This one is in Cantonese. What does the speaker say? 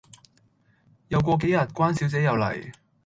又過幾日，關小姐又黎